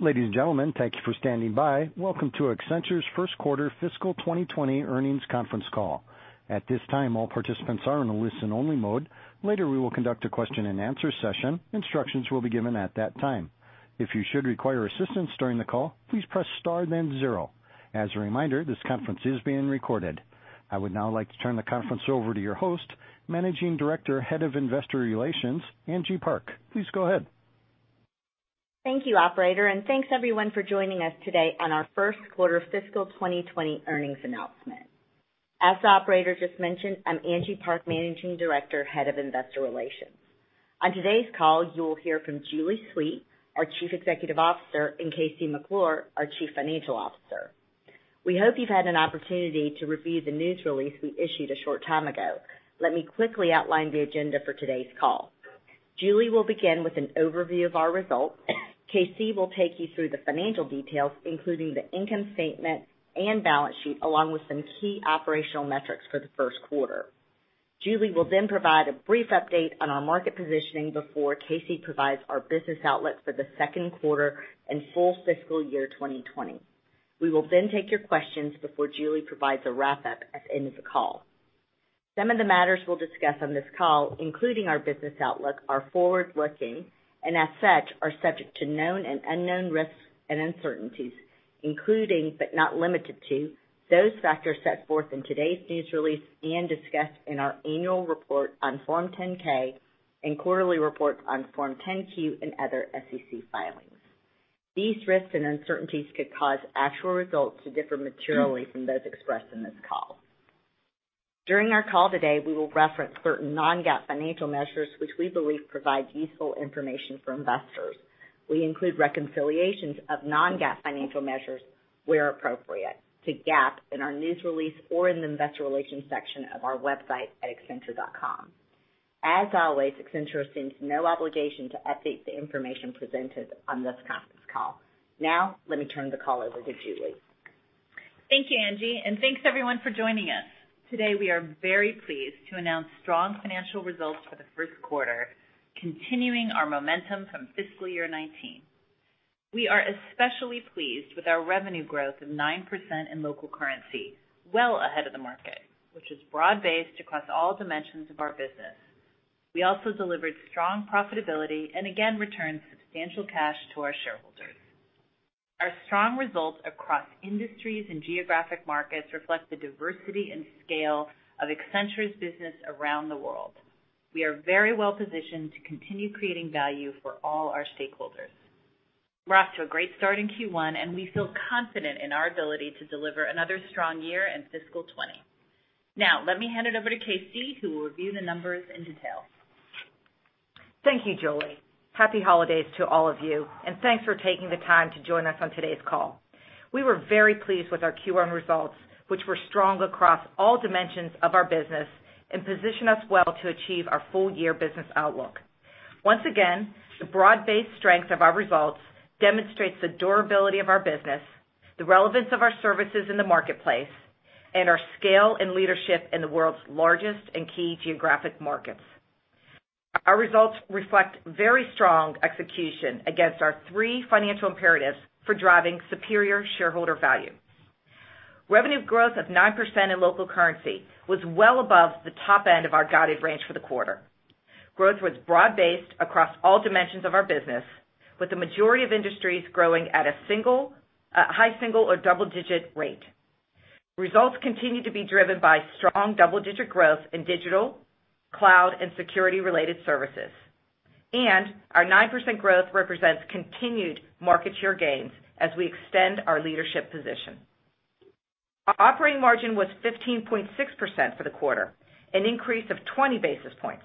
I would now like to turn the conference over to your host, Managing Director, Head of Investor Relations, Angie Park. Please go ahead. Thank you, Operator, thanks everyone for joining us today on our first quarter fiscal 2020 earnings announcement. As the Operator just mentioned, I'm Angie Park, Managing Director, Head of Investor Relations. On today's call, you will hear from Julie Sweet, our Chief Executive Officer, and KC McClure, our Chief Financial Officer. We hope you've had an opportunity to review the news release we issued a short time ago. Let me quickly outline the agenda for today's call. Julie will begin with an overview of our results. KC will take you through the financial details, including the income statement and balance sheet, along with some key operational metrics for the first quarter. Julie will then provide a brief update on our market positioning before KC provides our business outlook for the second quarter and full fiscal year 2020. We will take your questions before Julie provides a wrap-up at the end of the call. Some of the matters we'll discuss on this call, including our business outlook, are forward-looking and, as such, are subject to known and unknown risks and uncertainties, including, but not limited to, those factors set forth in today's news release and discussed in our annual report on Form 10-K and quarterly reports on Form 10-Q and other SEC filings. These risks and uncertainties could cause actual results to differ materially from those expressed in this call. During our call today, we will reference certain non-GAAP financial measures which we believe provide useful information for investors. We include reconciliations of non-GAAP financial measures where appropriate to GAAP in our news release or in the investor relations section of our website at accenture.com. As always, Accenture assumes no obligation to update the information presented on this conference call. Now, let me turn the call over to Julie. Thank you, Angie, and thanks everyone for joining us. Today, we are very pleased to announce strong financial results for the 1st quarter, continuing our momentum from fiscal year 2019. We are especially pleased with our revenue growth of 9% in local currency, well ahead of the market, which is broad-based across all dimensions of our business. We also delivered strong profitability and again returned substantial cash to our shareholders. Our strong results across industries and geographic markets reflect the diversity and scale of Accenture's business around the world. We are very well-positioned to continue creating value for all our stakeholders. We're off to a great start in Q1, and we feel confident in our ability to deliver another strong year in fiscal 2020. Let me hand it over to KC, who will review the numbers in detail. Thank you, Julie. Happy holidays to all of you, and thanks for taking the time to join us on today's call. We were very pleased with our Q1 results, which were strong across all dimensions of our business and position us well to achieve our full-year business outlook. Once again, the broad-based strength of our results demonstrates the durability of our business, the relevance of our services in the marketplace, and our scale and leadership in the world's largest and key geographic markets. Our results reflect very strong execution against our three financial imperatives for driving superior shareholder value. Revenue growth of 9% in local currency was well above the top end of our guided range for the quarter. Growth was broad-based across all dimensions of our business, with the majority of industries growing at a high single or double-digit rate. Results continue to be driven by strong double-digit growth in digital, cloud, and security-related services. Our 9% growth represents continued market share gains as we extend our leadership position. Our operating margin was 15.6% for the quarter, an increase of 20 basis points.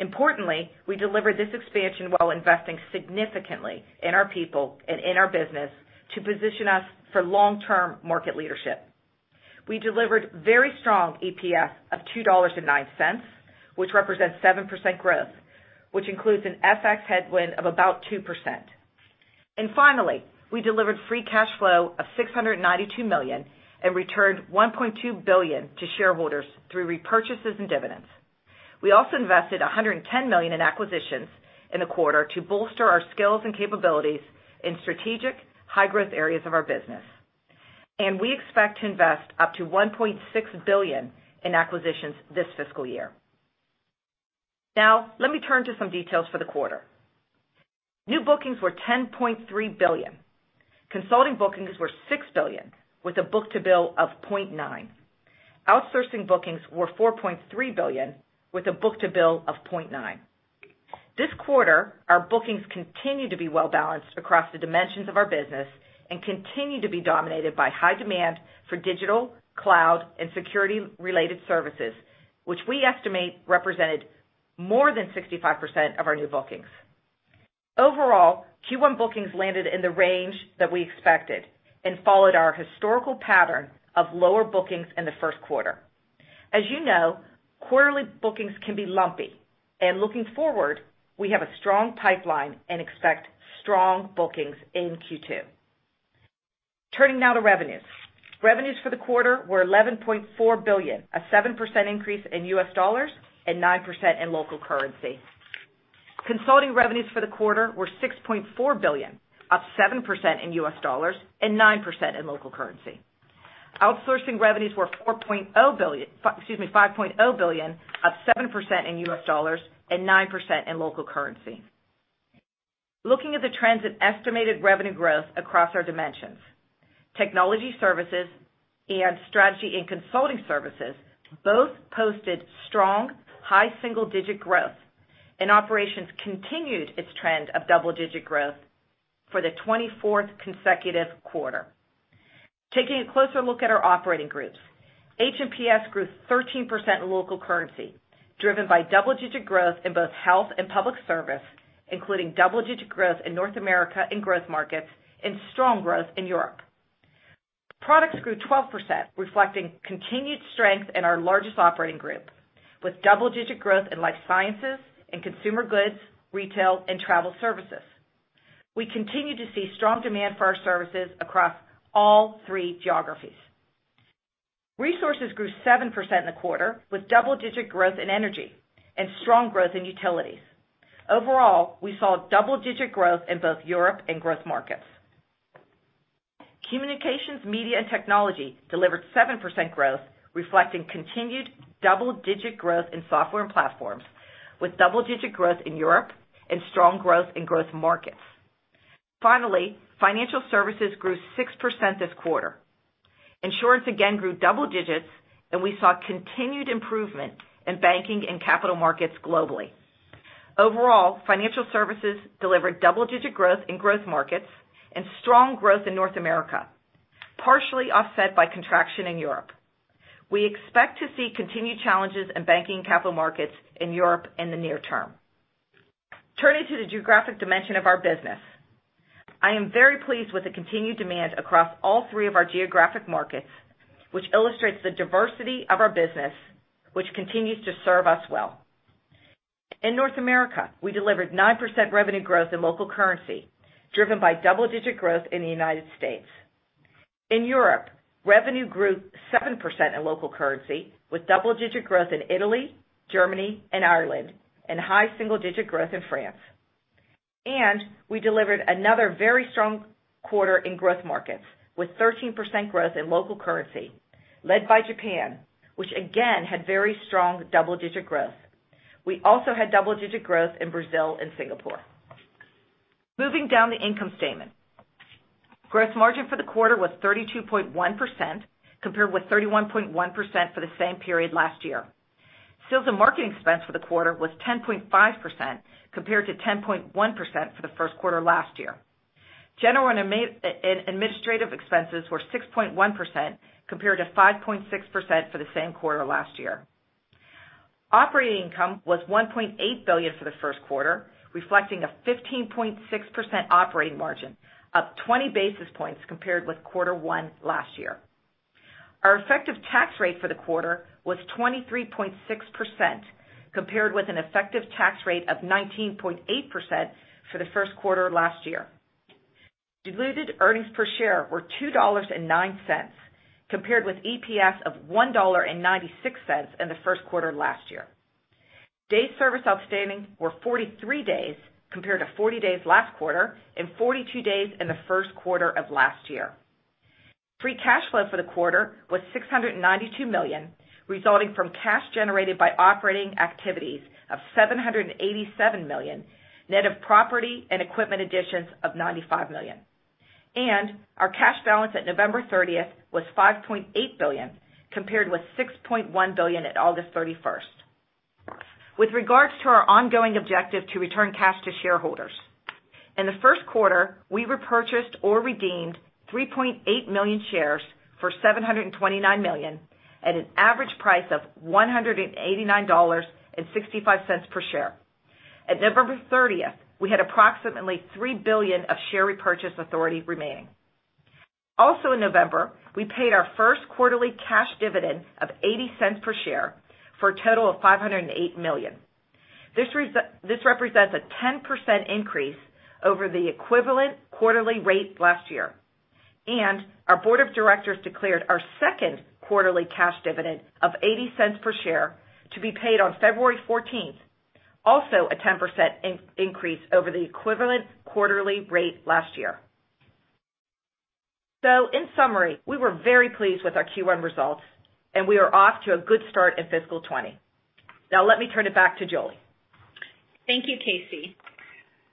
Importantly, we delivered this expansion while investing significantly in our people and in our business to position us for long-term market leadership. We delivered very strong Earnings Per Share of $2.09, which represents 7% growth, which includes an Foreign Exchange headwind of about 2%. Finally, we delivered free cash flow of $692 million and returned $1.2 billion to shareholders through repurchases and dividends. We also invested $110 million in acquisitions in the quarter to bolster our skills and capabilities in strategic, high-growth areas of our business. We expect to invest up to $1.6 billion in acquisitions this fiscal year. Now, let me turn to some details for the quarter. New bookings were $10.3 billion. Consulting bookings were $6 billion, with a book-to-bill of $0.9. Outsourcing bookings were $4.3 billion, with a book-to-bill of $0.9. This quarter, our bookings continued to be well-balanced across the dimensions of our business and continued to be dominated by high demand for digital, cloud, and security-related services, which we estimate represented more than 65% of our new bookings. Overall, Q1 bookings landed in the range that we expected and followed our historical pattern of lower bookings in the first quarter. As you know, quarterly bookings can be lumpy, and looking forward, we have a strong pipeline and expect strong bookings in Q2. Turning now to revenues. Revenues for the quarter were $11.4 billion, a 7% increase in U.S. dollars and 9% in local currency. Consulting revenues for the quarter were $6.4 billion, up 7% in U.S. dollars and 9% in local currency. Outsourcing revenues were $5.0 billion, up 7% in U.S. dollars and 9% in local currency. Looking at the trends in estimated revenue growth across our dimensions. Technology services and strategy and consulting services both posted strong, high single-digit growth, and operations continued its trend of double-digit growth for the 24th consecutive quarter. Taking a closer look at our operating groups. H&PS grew 13% in local currency, driven by double-digit growth in both health and public service, including double-digit growth in North America and growth markets and strong growth in Europe. Products grew 12%, reflecting continued strength in our largest operating group, with double-digit growth in life sciences and consumer goods, retail, and travel services. We continue to see strong demand for our services across all three geographies. Resources grew 7% in the quarter, with double-digit growth in energy and strong growth in utilities. Overall, we saw double-digit growth in both Europe and Growth Markets. Communications, Media, and Technology delivered 7% growth, reflecting continued double-digit growth in software and platforms, with double-digit growth in Europe and strong growth in Growth Markets. Finally, Financial Services grew 6% this quarter. Insurance again grew double digits, and we saw continued improvement in banking and capital markets globally. Overall, Financial Services delivered double-digit growth in Growth Markets and strong growth in North America, partially offset by contraction in Europe. We expect to see continued challenges in banking and capital markets in Europe in the near term. Turning to the geographic dimension of our business. I am very pleased with the continued demand across all three of our geographic markets, which illustrates the diversity of our business, which continues to serve us well. In North America, we delivered 9% revenue growth in local currency, driven by double-digit growth in the U.S. In Europe, revenue grew 7% in local currency, with double-digit growth in Italy, Germany, and Ireland, and high single-digit growth in France. We delivered another very strong quarter in growth markets, with 13% growth in local currency, led by Japan, which again had very strong double-digit growth. We also had double-digit growth in Brazil and Singapore. Moving down the income statement. Gross margin for the quarter was 32.1%, compared with 31.1% for the same period last year. Sales and marketing expense for the quarter was 10.5%, compared to 10.1% for the first quarter last year. General and administrative expenses were 6.1%, compared to 5.6% for the same quarter last year. Operating income was $1.8 billion for the first quarter, reflecting a 15.6% operating margin, up 20 basis points compared with quarter one last year. Our effective tax rate for the quarter was 23.6%, compared with an effective tax rate of 19.8% for the first quarter last year. Diluted earnings per share were $2.09, compared with EPS of $1.96 in the first quarter last year. Days service outstanding were 43 days, compared to 40 days last quarter and 42 days in the first quarter of last year. Free Cash Flow for the quarter was $692 million, resulting from cash generated by operating activities of $787 million, net of property and equipment additions of $95 million. Our cash balance at November 30th was $5.8 billion, compared with $6.1 billion at August 31st. With regards to our ongoing objective to return cash to shareholders. In the first quarter, we repurchased or redeemed 3.8 million shares for $729 million at an average price of $189.65 per share. At November 30th, we had approximately $3 billion of share repurchase authority remaining. Also in November, we paid our first quarterly cash dividend of $0.80 per share for a total of $508 million. This represents a 10% increase over the equivalent quarterly rate last year, and our board of directors declared our second quarterly cash dividend of $0.80 per share to be paid on February 14th, also a 10% increase over the equivalent quarterly rate last year. In summary, we were very pleased with our Q1 results, and we are off to a good start in fiscal 2020. Now let me turn it back to Julie Sweet. Thank you, KC.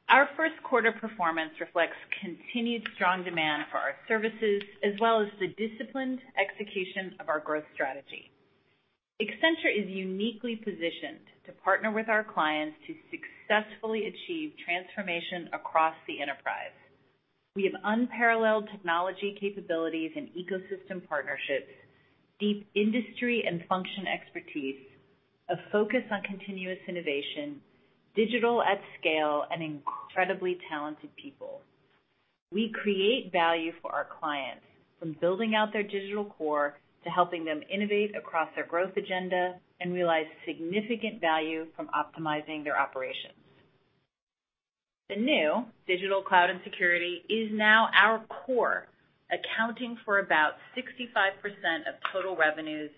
Our first quarter performance reflects continued strong demand for our services as well as the disciplined execution of our growth strategy. Accenture is uniquely positioned to partner with our clients to successfully achieve transformation across the enterprise. We have unparalleled technology capabilities and ecosystem partnerships, deep industry and function expertise, a focus on continuous innovation, digital at scale, and incredibly talented people. We create value for our clients from building out their digital core to helping them innovate across their growth agenda and realize significant value from optimizing their operations. The new digital cloud and security is now our core, accounting for about 65% of total revenues,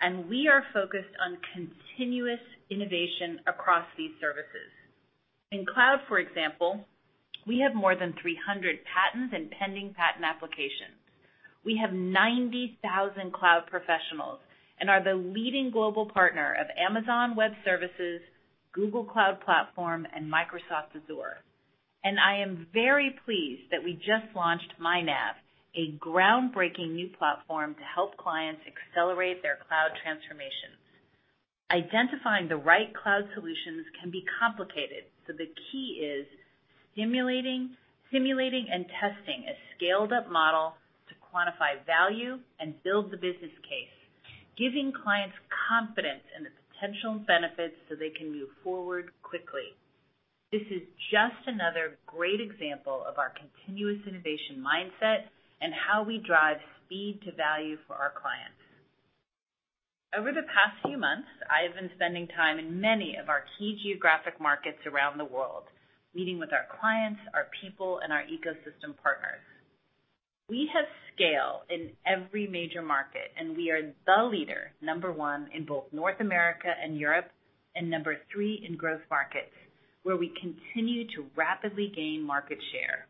and we are focused on continuous innovation across these services. In cloud, for example, we have more than 300 patents and pending patent applications. We have 90,000 cloud professionals and are the leading global partner of Amazon Web Services, Google Cloud Platform, and Microsoft Azure. I am very pleased that we just launched myNav, a groundbreaking new platform to help clients accelerate their cloud transformations. Identifying the right cloud solutions can be complicated, the key is simulating and testing a scaled-up model to quantify value and build the business case, giving clients confidence in the potential benefits so they can move forward quickly. This is just another great example of our continuous innovation mindset and how we drive speed to value for our clients. Over the past few months, I have been spending time in many of our key geographic markets around the world, meeting with our clients, our people, and our ecosystem partners. We have scale in every major market, and we are the leader, number one in both North America and Europe and number three in growth markets, where we continue to rapidly gain market share.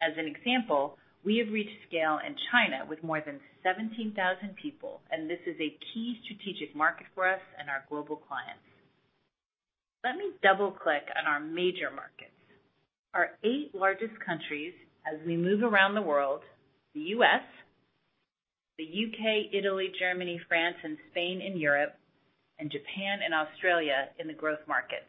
As an example, we have reached scale in China with more than 17,000 people, and this is a key strategic market for us and our global clients. Let me double-click on our major markets. Our eight largest countries as we move around the world, the U.S., the U.K., Italy, Germany, France, and Spain in Europe, and Japan and Australia in the growth markets.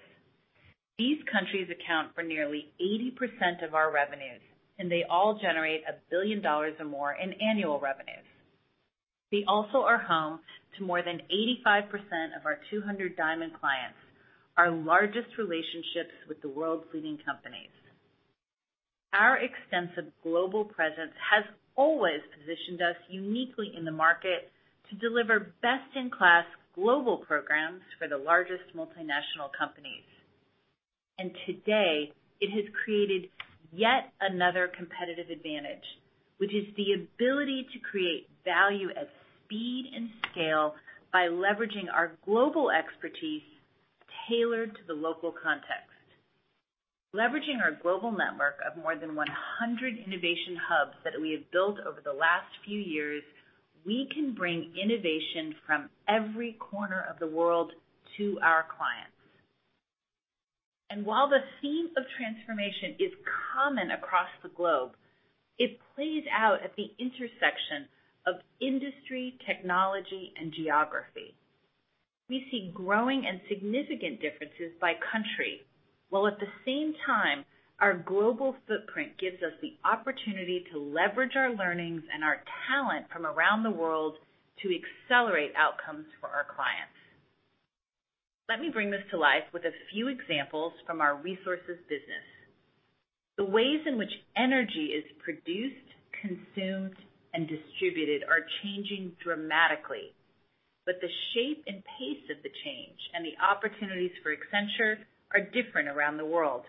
These countries account for nearly 80% of our revenues, and they all generate $1 billion or more in annual revenues. They also are home to more than 85% of our 200 diamond clients, our largest relationships with the world's leading companies. Our extensive global presence has always positioned us uniquely in the market to deliver best-in-class global programs for the largest multinational companies. Today, it has created yet another competitive advantage, which is the ability to create value at speed and scale by leveraging our global expertise tailored to the local context. Leveraging our global network of more than 100 innovation hubs that we have built over the last few years, we can bring innovation from every corner of the world to our clients. While the theme of transformation is common across the globe, it plays out at the intersection of industry, technology, and geography. We see growing and significant differences by country, while at the same time, our global footprint gives us the opportunity to leverage our learnings and our talent from around the world to accelerate outcomes for our clients. Let me bring this to life with a few examples from our resources business. The ways in which energy is produced, consumed, and distributed are changing dramatically, but the shape and pace of the change and the opportunities for Accenture are different around the world.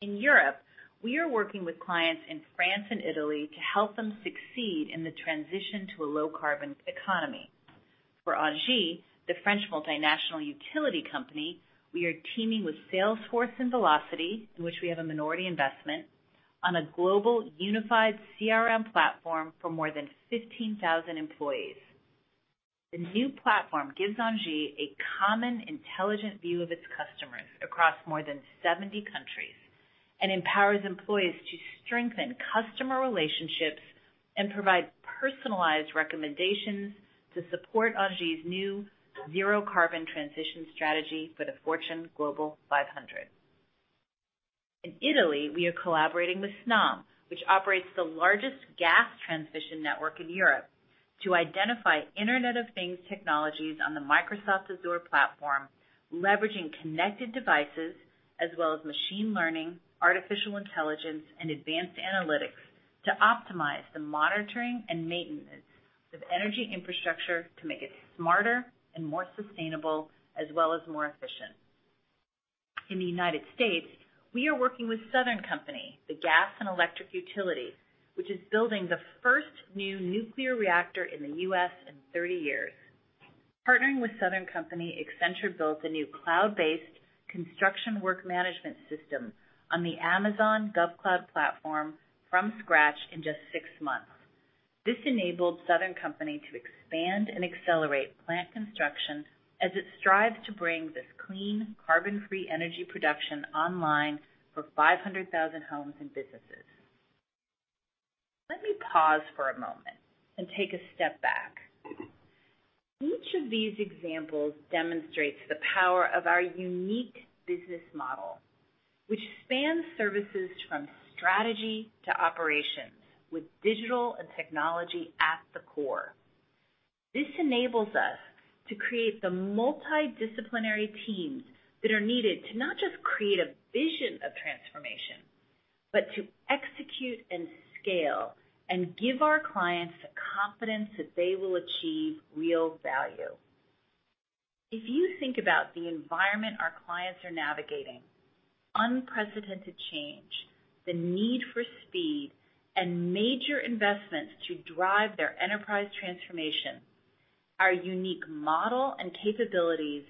In Europe, we are working with clients in France and Italy to help them succeed in the transition to a low-carbon economy. For Engie, the French multinational utility company, we are teaming with Salesforce and Vlocity, in which we have a minority investment, on a global unified Customer Relationship Management platform for more than 15,000 employees. The new platform gives Engie a common, intelligent view of its customers across more than 70 countries and empowers employees to strengthen customer relationships and provide personalized recommendations to support Engie's new zero-carbon transition strategy for the Fortune Global 500. In Italy, we are collaborating with Snam, which operates the largest gas transmission network in Europe, to identify Internet of Things technologies on the Microsoft Azure platform, leveraging connected devices as well as Machine Learning, Artificial Intelligence, and Advanced Analytics to optimize the monitoring and maintenance of energy infrastructure to make it smarter and more sustainable as well as more efficient. In the United States, we are working with Southern Company, the gas and electric utility, which is building the first new nuclear reactor in the U.S. in 30 years. Partnering with Southern Company, Accenture built a new cloud-based construction work management system on the AWS GovCloud platform from scratch in just sixmonths. This enabled Southern Company to expand and accelerate plant construction as it strives to bring this clean, carbon-free energy production online for 500,000 homes and businesses. Let me pause for a moment and take a step back. Each of these examples demonstrates the power of our unique business model, which spans services from strategy to operations with digital and technology at the core. This enables us to create the multidisciplinary teams that are needed to not just create a vision of transformation, but to execute and scale and give our clients the confidence that they will achieve real value. If you think about the environment our clients are navigating, unprecedented change, the need for speed, and major investments to drive their enterprise transformation, our unique model and capabilities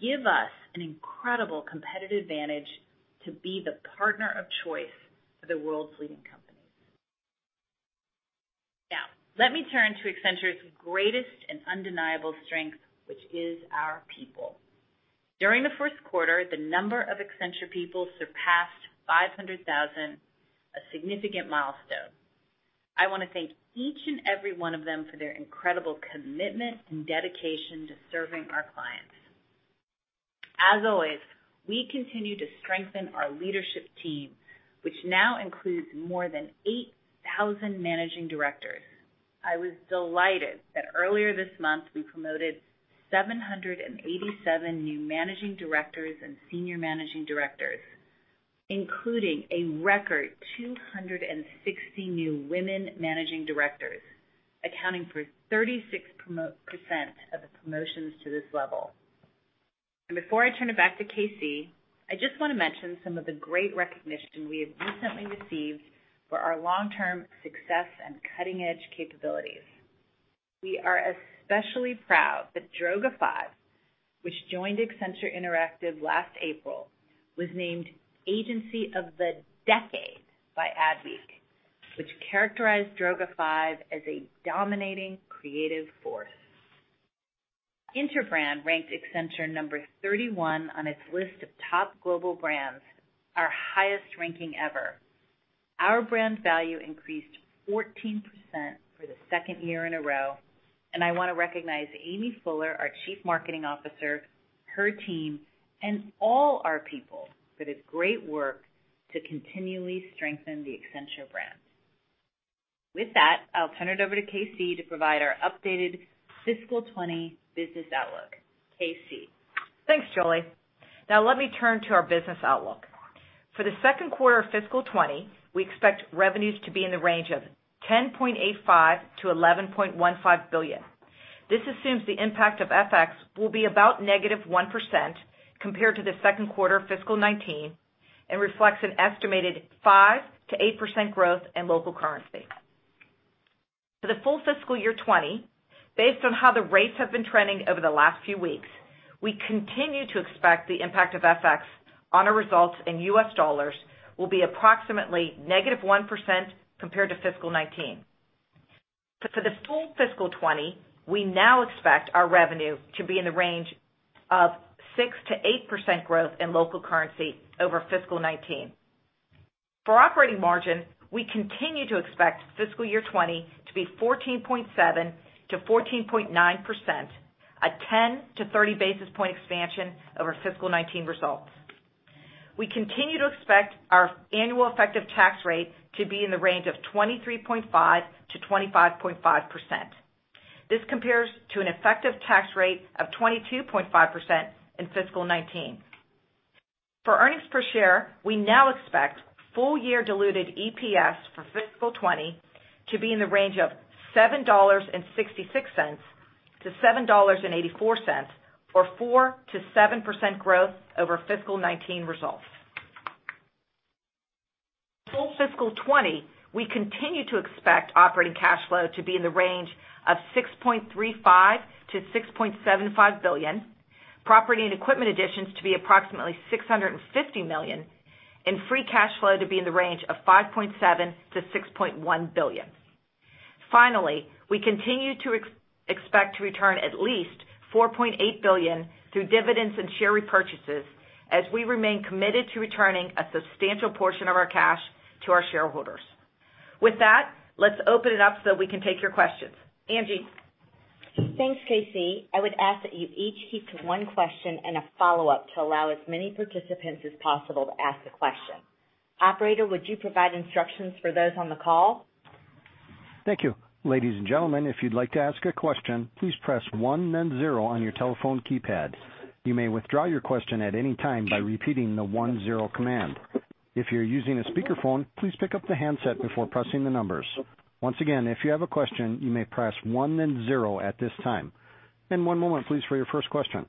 give us an incredible competitive advantage to be the partner of choice for the world's leading companies. Now, let me turn to Accenture's greatest and undeniable strength, which is our people. During the first quarter, the number of Accenture people surpassed 500,000, a significant milestone. I wanna thank each and every one of them for their incredible commitment and dedication to serving our clients. As always, we continue to strengthen our leadership team, which now includes more than 8,000 managing directors. I was delighted that earlier this month, we promoted 787 new managing directors and senior managing directors, including a record 260 new women managing directors, accounting for 36% of the promotions to this level. Before I turn it back to KC, I just wanna mention some of the great recognition we have recently received for our long-term success and cutting-edge capabilities. We are especially proud that Droga5, which joined Accenture Interactive last April, was named Agency of the Decade by Adweek, which characterized Droga5 as a dominating creative force. Interbrand ranked Accenture number 31 on its list of top global brands, our highest ranking ever. Our brand value increased 14% for the second year in a row, and I wanna recognize Amy Fuller, our Chief Marketing Officer, her team, and all our people for their great work to continually strengthen the Accenture brand. With that, I'll turn it over to KC to provide our updated fiscal 2020 business outlook. KC. Thanks, Julie. Now let me turn to our business outlook. For the second quarter of fiscal 2020, we expect revenues to be in the range of $10.85 billion-$11.15 billion. This assumes the impact of FX will be about -1% compared to the second quarter of fiscal 2019 and reflects an estimated 5%-8% growth in local currency. For the full fiscal year 2020, based on how the rates have been trending over the last few weeks, we continue to expect the impact of FX on our results in US dollars will be approximately negative 1% compared to fiscal 2019. For the full fiscal 2020, we now expect our revenue to be in the range of 6%-8% growth in local currency over fiscal 2019. For operating margin, we continue to expect fiscal year 2020 to be 14.7%-14.9%, a 10-30 basis point expansion over fiscal 2019 results. We continue to expect our annual effective tax rate to be in the range of 23.5%-25.5%. This compares to an effective tax rate of 22.5% in fiscal 2019. For earnings per share, we now expect full-year diluted EPS for fiscal 2020 to be in the range of $7.66-$7.84, or 4%-7% growth over fiscal 2019 results. Full fiscal 2020, we continue to expect operating cash flow to be in the range of $6.35 billion-$6.75 billion, property and equipment additions to be approximately $650 million, and Free Cash Flow to be in the range of $5.7 billion-$6.1 billion. Finally, we continue to expect to return at least $4.8 billion through dividends and share repurchases as we remain committed to returning a substantial portion of our cash to our shareholders. With that, let's open it up so we can take your questions. Angie. Thanks, KC. I would ask that you each keep to one question and one follow-up to allow as many participants as possible to ask a question. Operator, would you provide instructions for those on the call? Thank you. Ladies and gentlemen, if you'd like to ask question, press one and zero on your telephone keypad. You may withdraw your question at anytime by repeating the one and zero command. If you're using the speaker phone, please pick up the handset before pressing the number. Once again, if you have a question, you may press one and zero at this time. One moment for your first question.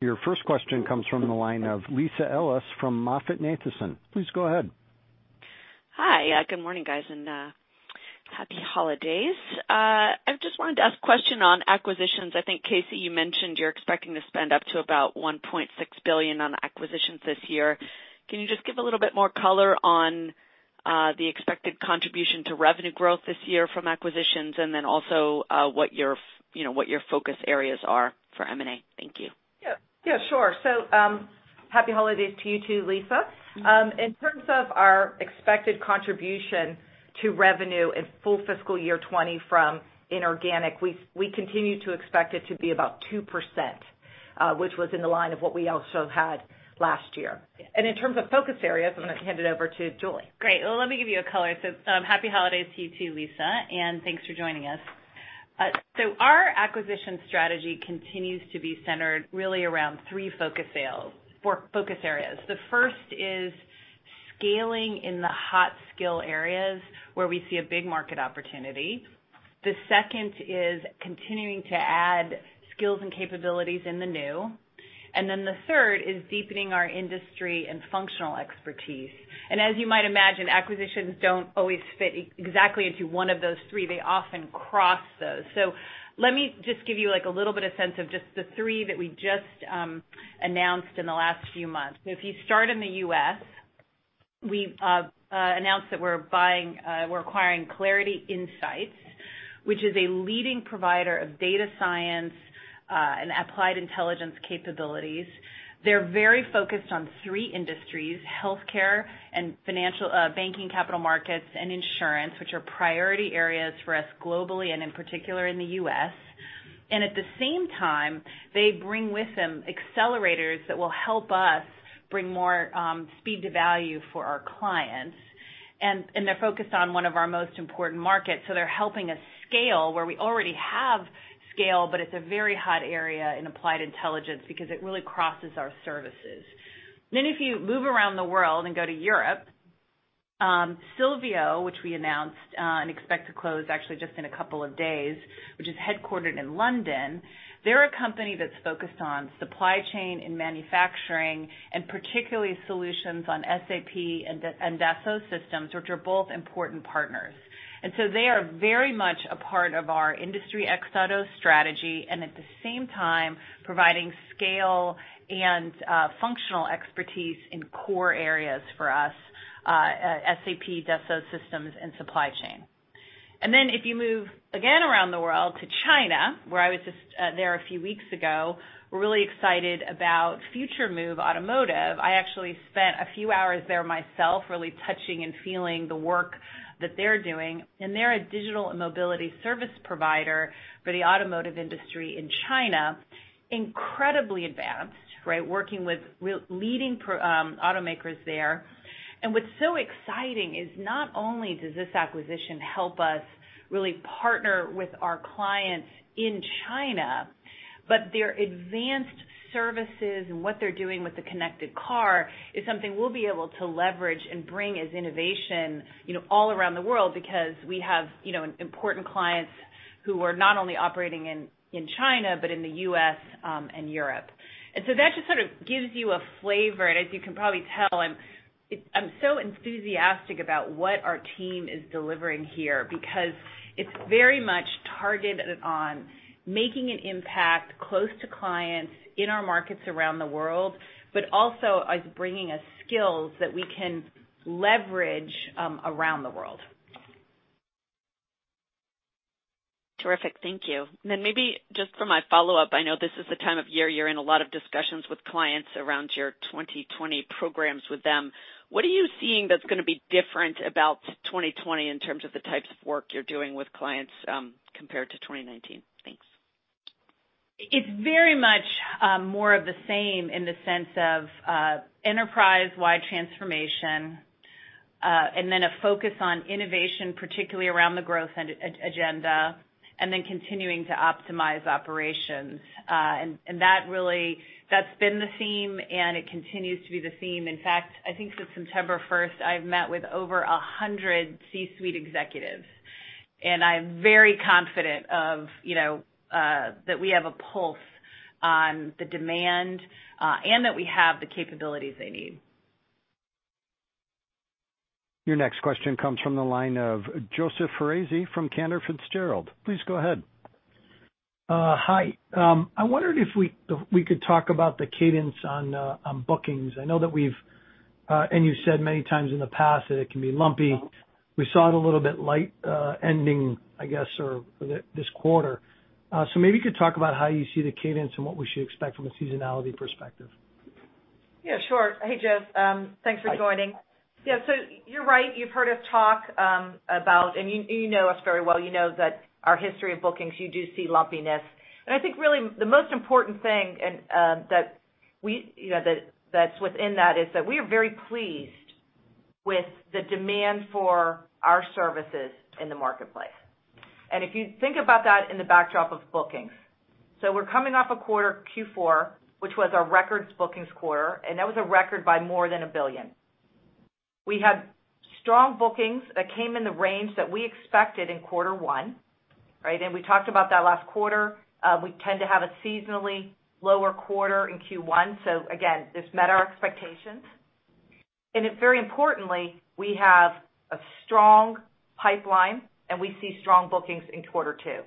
Your first question comes from the line of Lisa Ellis from MoffettNathanson. Please go ahead. Hi. Yeah, good morning, guys, and happy holidays. I just wanted to ask a question on acquisitions. I think, KC, you mentioned you're expecting to spend up to about $1.6 billion on acquisitions this year. Can you just give a little bit more color on the expected contribution to revenue growth this year from acquisitions and then also, what your you know, what your focus areas are for M&A? Thank you. Yeah. Yeah, sure. Happy holidays to you too, Lisa. In terms of our expected contribution to revenue in full fiscal year 2020 from inorganic, we continue to expect it to be about 2%, which was in the line of what we also had last year. In terms of focus areas, I'm gonna hand it over to Julie. Great. Well, let me give you a color. Happy holidays to you too, Lisa, and thanks for joining us. Our acquisition strategy continues to be centered really around four focus areas. The first is scaling in the hot skill areas where we see a big market opportunity. The second is continuing to add skills and capabilities in the new. The third is deepening our industry and functional expertise. As you might imagine, acquisitions don't always fit exactly into one of those three, they often cross those. Let me just give you, like, a little bit of sense of just the three that we just announced in the last few months. If you start in the U.S., we've announced that we're buying, we're acquiring Clarity Insights, which is a leading provider of data science and Applied Intelligence capabilities. They're very focused on three industries, healthcare and financial, banking, capital markets and insurance, which are priority areas for us globally and in particular in the U.S. At the same time, they bring with them accelerators that will help us bring more speed to value for our clients. They're focused on one of our most important markets, so they're helping us scale where we already have scale, but it's a very hot area in Applied Intelligence because it really crosses our services. If you move around the world and go to Europe, Silveo, which we announced and expect to close actually just in a couple of days, which is headquartered in London, they're a company that's focused on supply chain and manufacturing, and particularly solutions on SAP and Dassault Systèmes, which are both important partners. They are very much a part of our Industry X.0 strategy, and at the same time providing scale and functional expertise in core areas for us, SAP, Dassault Systèmes and supply chain. If you move again around the world to China, where I was just there a few weeks ago, we're really excited about FutureMove Automotive. I actually spent a few hours there myself really touching and feeling the work that they're doing. They're a digital and mobility service provider for the automotive industry in China. Incredibly advanced, right? Working with real leading automakers there. What's so exciting is not only does this acquisition help us really partner with our clients in China, but their advanced services and what they're doing with the connected car is something we'll be able to leverage and bring as innovation, you know, all around the world because we have, you know, important clients who are not only operating in China, but in the U.S. and Europe. That just sort of gives you a flavor, and as you can probably tell, I'm so enthusiastic about what our team is delivering here because it's very much targeted on making an impact close to clients in our markets around the world, but also is bringing us skills that we can leverage around the world. Terrific. Thank you. Maybe just for my follow-up, I know this is the time of year you're in a lot of discussions with clients around your 2020 programs with them. What are you seeing that's gonna be different about 2020 in terms of the types of work you're doing with clients, compared to 2019? Thanks. It's very much, more of the same in the sense of enterprise-wide transformation, and then a focus on innovation, particularly around the growth agenda, and then continuing to optimize operations. That really that's been the theme, and it continues to be the theme. In fact, I think since September 1st, I've met with over 100 C-suite executives, and I'm very confident of, you know, that we have a pulse on the demand, and that we have the capabilities they need. Your next question comes from the line of Joseph Foresi from Cantor Fitzgerald. Please go ahead. Hi. I wondered if we could talk about the cadence on bookings. I know that we've, and you've said many times in the past that it can be lumpy. We saw it a little bit light, ending, I guess, or, this quarter. Maybe you could talk about how you see the cadence and what we should expect from a seasonality perspective. Yeah, sure. Hey, Joe. thanks for joining. Hi. Yeah. You're right. You've heard us talk about, you know us very well, you know that our history of bookings, you do see lumpiness. I think really the most important thing that we, you know, that's within that is that we are very pleased with the demand for our services in the marketplace. If you think about that in the backdrop of bookings, we're coming off a Q4, which was our record bookings quarter, and that was a record by more than $1 billion. We had strong bookings that came in the range that we expected in Q1, right? We talked about that last quarter. We tend to have a seasonally lower quarter in Q1. Again, this met our expectations. Very importantly, we have a strong pipeline, and we see strong bookings in quarter two.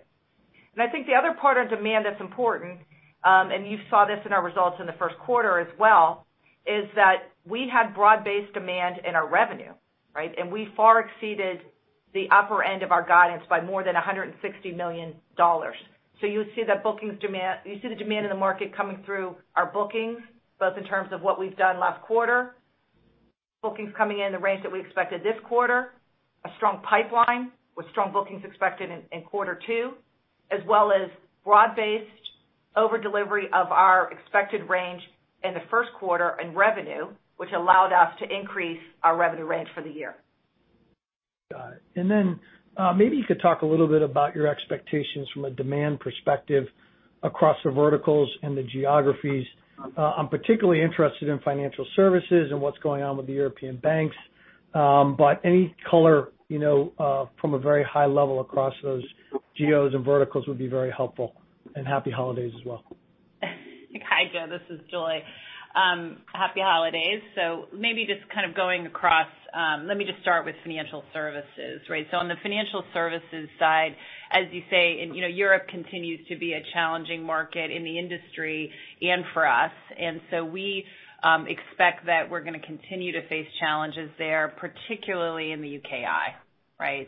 I think the other part of demand that's important, and you saw this in our results in the 1st quarter as well, is that we had broad-based demand in our revenue, right? We far exceeded the upper end of our guidance by more than $160 million. You would see that bookings demand you see the demand in the market coming through our bookings, both in terms of what we've done last quarter, bookings coming in the range that we expected this quarter, a strong pipeline with strong bookings expected in quarter two, as well as broad-based over delivery of our expected range in the first quarter in revenue, which allowed us to increase our revenue range for the year. Then maybe you could talk a little bit about your expectations from a demand perspective across the verticals and the geographies? I'm particularly interested in financial services and what's going on with the European banks. Any color, you know, from a very high level across those geos and verticals would be very helpful. Happy holidays as well. Hi, Joe. This is Julie. Happy holidays. Maybe just kind of going across, let me just start with financial services, right? On the financial services side, as you say, and, you know, Europe continues to be a challenging market in the industry and for us. We expect that we're gonna continue to face challenges there, particularly in the U.K.I., right?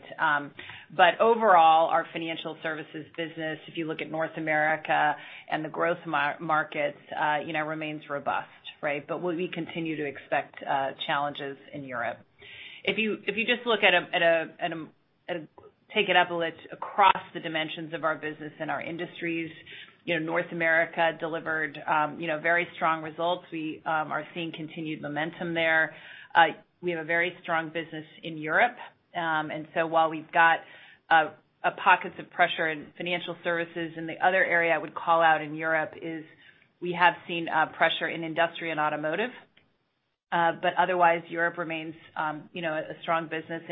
But overall, our financial services business, if you look at North America and the growth markets, you know, remains robust, right? But we continue to expect challenges in Europe. If you just look at a parallel across the dimensions of our business and our industries, you know, North America delivered very strong results. We are seeing continued momentum there. We have a very strong business in Europe. While we've got pockets of pressure in financial services, the other area I would call out in Europe is we have seen pressure in industry and automotive. Europe remains, you know, a strong business.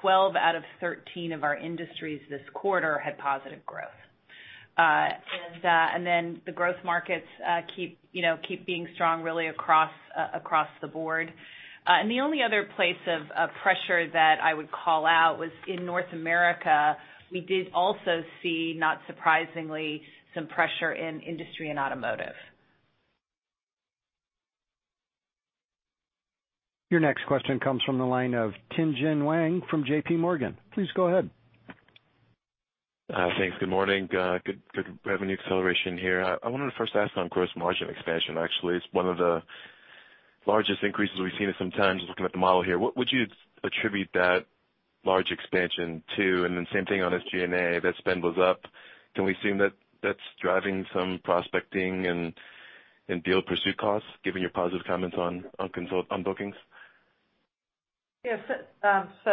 12 out of 13 of our industries this quarter had positive growth. The growth markets keep, you know, being strong really across across the board. The only other place of pressure that I would call out was in North America, we did also see, not surprisingly, some pressure in industry and automotive. Your next question comes from the line of Tien-Tsin Huang from JPMorgan. Please go ahead. Thanks. Good morning. Good revenue acceleration here. I wanted to first ask on gross margin expansion. Actually, it's one of the largest increases we've seen in some time, just looking at the model here. What would you attribute that large expansion to? Same thing on SG&A, that spend was up. Can we assume that that's driving some prospecting and deal pursuit costs, given your positive comments on bookings? Yes.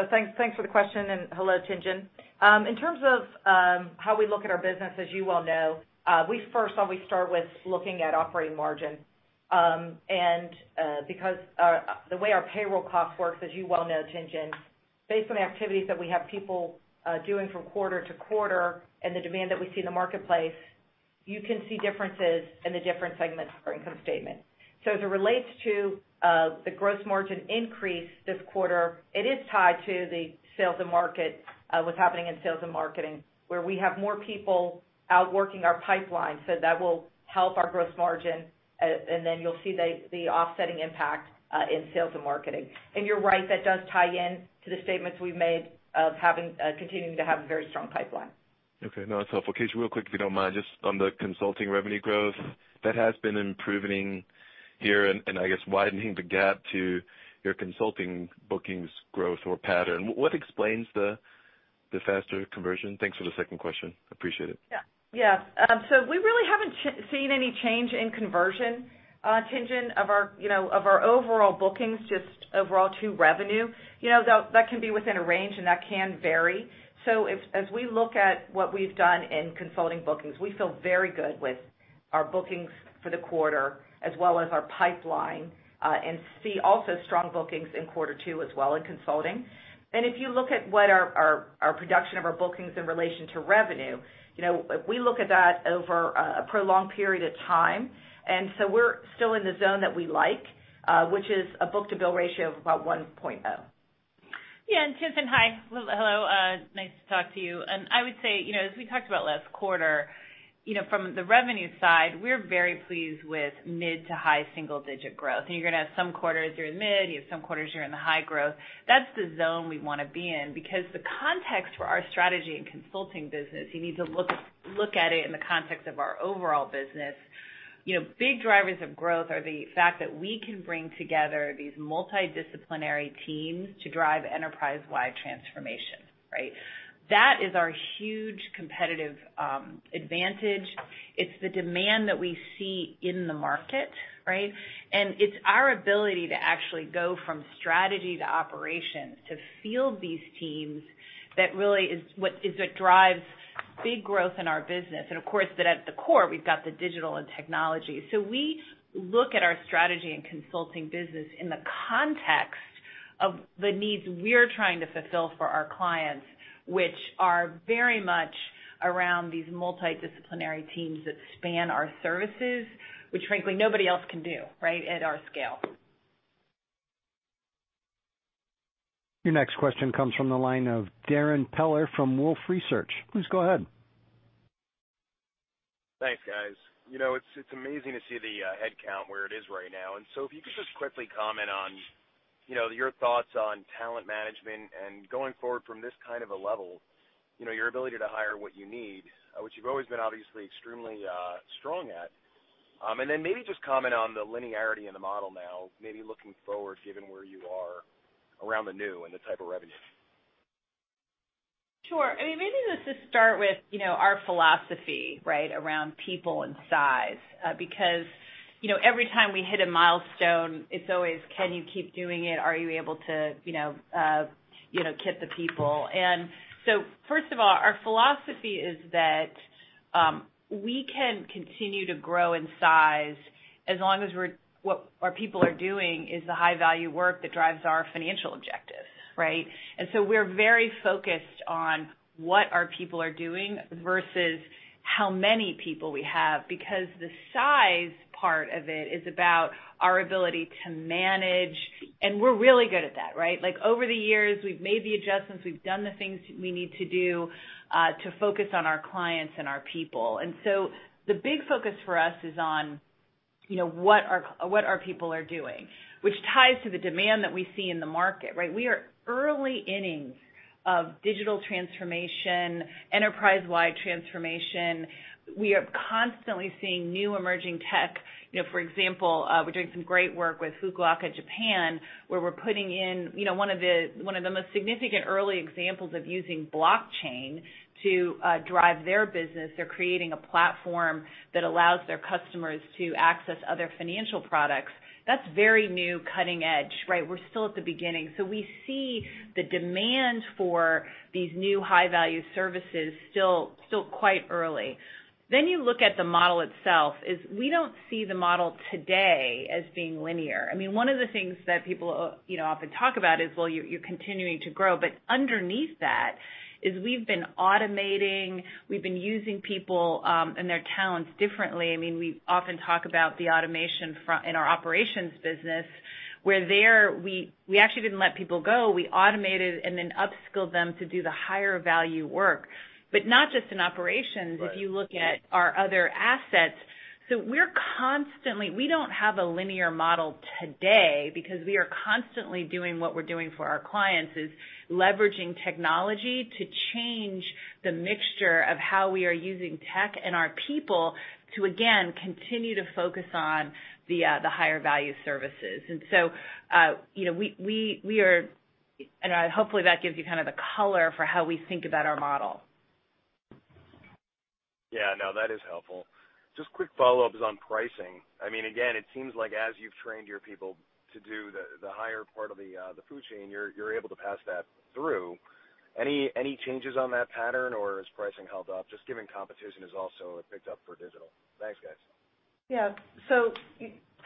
Thanks, thanks for the question, and hello, Tien-Tsin. In terms of how we look at our business, as you well know, we first always start with looking at operating margin. Because the way our payroll cost works, as you well know, Tien-Tsin, based on the activities that we have people doing from quarter to quarter and the demand that we see in the marketplace, you can see differences in the different segments of our income statement. As it relates to the gross margin increase this quarter, it is tied to the sales and market, what's happening in sales and marketing, where we have more people out working our pipeline, so that will help our gross margin. Then you'll see the offsetting impact in sales and marketing. You're right, that does tie in to the statements we've made of having continuing to have a very strong pipeline. Okay. No, that's helpful. KC, real quick, if you don't mind, just on the consulting revenue growth, that has been improving here and I guess widening the gap to your consulting bookings growth or pattern. What explains the faster conversion? Thanks for the second question. Appreciate it. So we really haven't seen any change in conversion, Tien-Tsin, of our, you know, of our overall bookings, just overall to revenue. You know, that can be within a range and that can vary. As we look at what we've done in consulting bookings, we feel very good with our bookings for the quarter as well as our pipeline, and see also strong bookings in quarter two as well in consulting. If you look at what our production of our bookings in relation to revenue, you know, we look at that over a prolonged period of time. We're still in the zone that we like, which is a book-to-bill ratio of about $1.0. Yeah. Tien-Tsin, hi. Nice to talk to you. I would say, you know, as we talked about last quarter, you know, from the revenue side, we're very pleased with mid to high single-digit growth. You're gonna have some quarters you're in mid, you have some quarters you're in the high growth. That's the zone we wanna be in because the context for our strategy and consulting business, you need to look at it in the context of our overall business. You know, big drivers of growth are the fact that we can bring together these multidisciplinary teams to drive enterprise-wide transformation, right? That is our huge competitive advantage. It's the demand that we see in the market, right? It's our ability to actually go from strategy to operations to field these teams that really is what drives big growth in our business. Of course, that at the core, we've got the digital and technology. We look at our strategy and consulting business in the context of the needs we're trying to fulfill for our clients, which are very much around these multidisciplinary teams that span our services, which frankly, nobody else can do, right, at our scale. Your next question comes from the line of Darrin Peller from Wolfe Research. Please go ahead. Thanks, guys. You know, it's amazing to see the headcount where it is right now. If you could just quickly comment on, you know, your thoughts on talent management and going forward from this kind of a level, you know, your ability to hire what you need, which you've always been obviously extremely strong at? Maybe just comment on the linearity in the model now, maybe looking forward, given where you are around the new and the type of revenue? Sure. I mean, maybe let's just start with, you know, our philosophy, right, around people and size. Because, you know, every time we hit a milestone, it's always. Can you keep doing it? Are you able to, you know, you know, keep the people? First of all, our philosophy is that we can continue to grow in size as long as what our people are doing is the high-value work that drives our financial objectives, right? We're very focused on what our people are doing versus how many people we have, because the size part of it is about our ability to manage, and we're really good at that, right? Like, over the years, we've made the adjustments, we've done the things we need to do, to focus on our clients and our people. The big focus for us is on, you know, what our people are doing, which ties to the demand that we see in the market, right? We are early innings of digital transformation, enterprise-wide transformation. We are constantly seeing new emerging technology. You know, for example, we're doing some great work with Fukuoka, Japan, where we're putting in, you know, one of the most significant early examples of using blockchain to drive their business. They're creating a platform that allows their customers to access other financial products. That's very new cutting edge, right? We're still at the beginning. We see the demand for these new high-value services still quite early. You look at the model itself is we don't see the model today as being linear. I mean, one of the things that people, you know, often talk about is, well, you're continuing to grow, but underneath that is we've been automating, we've been using people and their talents differently. I mean, we often talk about the automation front in our operations business, where there we actually didn't let people go. We automated and then upskilled them to do the higher value work. Not just in operations. Right. If you look at our other assets. We don't have a linear model today because we are constantly doing what we're doing for our clients, is leveraging technology to change the mixture of how we are using tech and our people to again, continue to focus on the higher value services. You know, we are. Hopefully, that gives you kind of the color for how we think about our model. Yeah, no, that is helpful. Just quick follow-up is on pricing. I mean, again, it seems like as you've trained your people to do the higher part of the food chain, you're able to pass that through. Any changes on that pattern or has pricing held up? Just given competition has also picked up for digital. Thanks, guys. Yeah.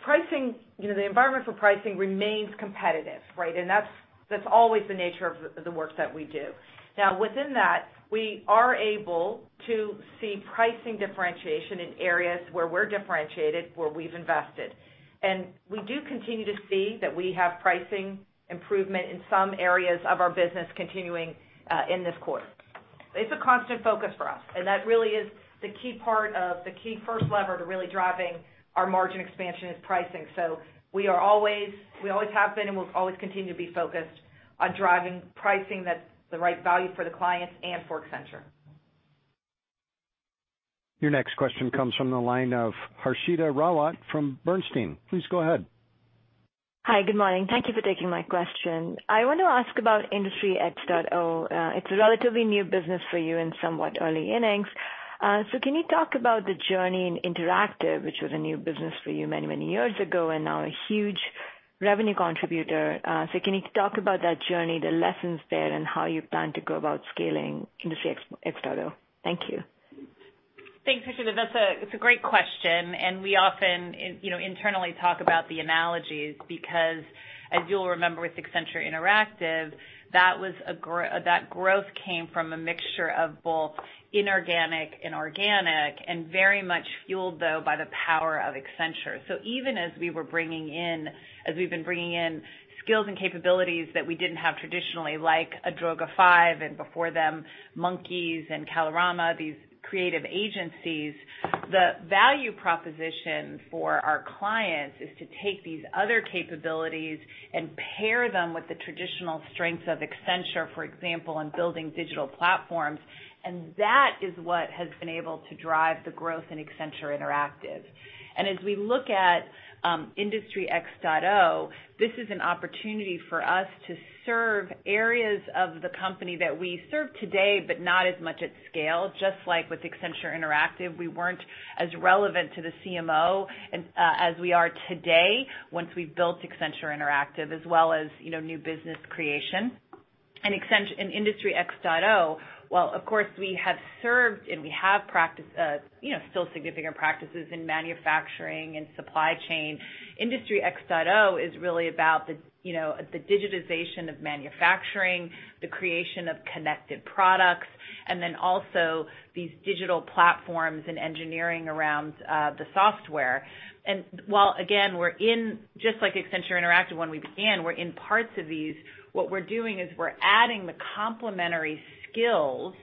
Pricing, you know, the environment for pricing remains competitive, right? That's always the nature of the work that we do. Now, within that, we are able to see pricing differentiation in areas where we're differentiated, where we've invested. We do continue to see that we have pricing improvement in some areas of our business continuing in this quarter. It's a constant focus for us, and that really is the key first lever to really driving our margin expansion is pricing. We always have been and will always continue to be focused on driving pricing that's the right value for the clients and for Accenture. Your next question comes from the line of Harshita Rawat from Bernstein. Please go ahead. Hi, good morning. Thank you for taking my question. I want to ask about Industry X.0. It's a relatively new business for you and somewhat early innings. Can you talk about the journey in Interactive, which was a new business for you many, many years ago and now a huge revenue contributor? Can you talk about that journey, the lessons there, and how you plan to go about scaling Industry X.0? Thank you. Thanks, Harshita. It's a great question, and we often you know, internally talk about the analogies because as you'll remember with Accenture Interactive, that growth came from a mixture of both inorganic and organic and very much fueled, though, by the power of Accenture. Even as we were bringing in, as we've been bringing in skills and capabilities that we didn't have traditionally, like a Droga5, and before them, The Monkeys and Karmarama, these creative agencies, the value proposition for our clients is to take these other capabilities and pair them with the traditional strengths of Accenture, for example, in building digital platforms, and that is what has been able to drive the growth in Accenture Interactive. As we look at Industry X.0, this is an opportunity for us to serve areas of the company that we serve today, but not as much at scale. Just like with Accenture Interactive, we weren't as relevant to the CMO as we are today once we've built Accenture Interactive, as well as, you know, new business creation. Industry X.0, while of course we have served and we have practice, you know, still significant practices in manufacturing and supply chain, Industry X.0 is really about the, you know, the digitization of manufacturing, the creation of connected products, and then also these digital platforms and engineering around the software. While again, we're in, just like Accenture Interactive when we began, we're in parts of these, what we're doing is we're adding the complementary skills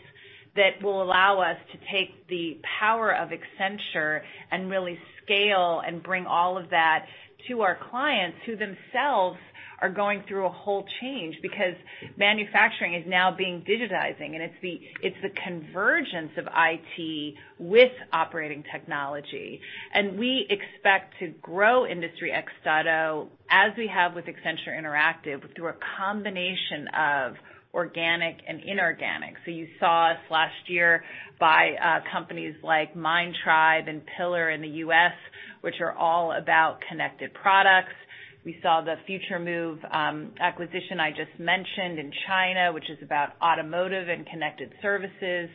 that will allow us to take the power of Accenture and really scale and bring all of that to our clients, who themselves are going through a whole change because manufacturing is now being digitizing, and it's the, it's the convergence of Information Technology with Operating Technology. We expect to grow Industry X.0, as we have with Accenture Interactive, through a combination of organic and inorganic. You saw us last year buy companies like Mindtribe and Pillar in the U.S., which are all about connected products. We saw the FutureMove acquisition I just mentioned in China, which is about automotive and connected services.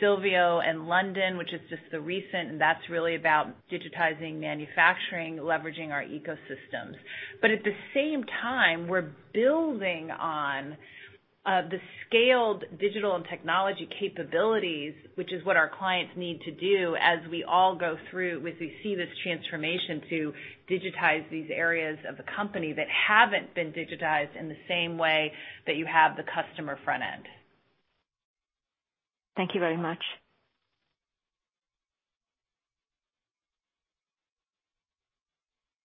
Silveo and London, which is just the recent, and that's really about digitizing manufacturing, leveraging our ecosystems. At the same time, we're building on the scaled digital and technology capabilities, which is what our clients need to do as we all go through, as we see this transformation to digitize these areas of the company that haven't been digitized in the same way that you have the customer front end. Thank you very much.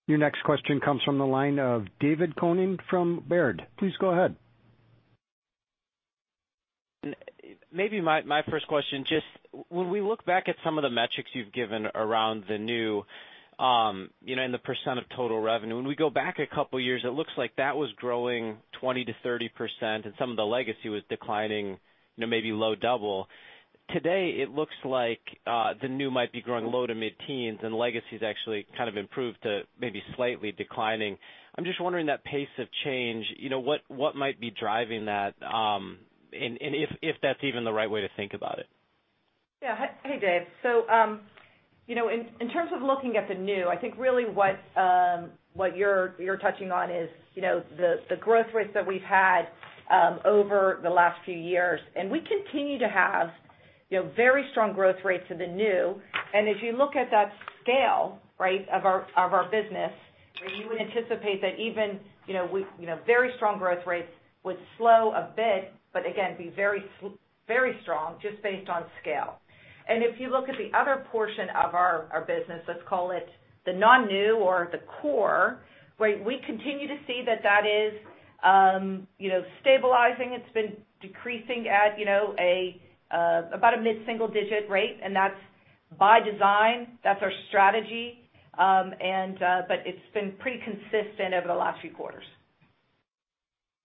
Your next question comes from the line of David Koning from Baird. Please go ahead. My first question, just when we look back at some of the metrics you've given around the new, you know, and the percent of total revenue. When we go back a couple years, it looks like that was growing 20%-30% and some of the legacy was declining, you know, maybe low double. Today, it looks like the new might be growing low to mid-10s, and legacy is actually kind of improved to maybe slightly declining. I'm just wondering that pace of change, you know, what might be driving that? And if that's even the right way to think about it. Yeah. Hey, David. You know, in terms of looking at the new, I think really what you're touching on is, you know, the growth rates that we've had over the last few years. We continue to have, you know, very strong growth rates in the new. If you look at that scale, right, of our business, you would anticipate that even, you know, very strong growth rates would slow a bit, but again, be very strong just based on scale. If you look at the other portion of our business, let's call it the non-new or the core, right, we continue to see that that is, you know, stabilizing. It's been decreasing at, you know, about a mid-single-digit rate, and that's by design. That's our strategy. It's been pretty consistent over the last few quarters.